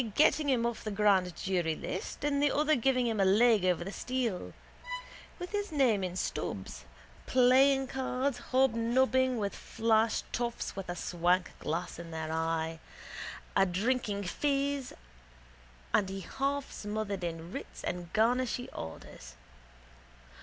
getting him off the grand jury list and the other give him a leg over the stile. With his name in Stubbs's. Playing cards, hobnobbing with flash toffs with a swank glass in their eye, adrinking fizz and he half smothered in writs and garnishee orders.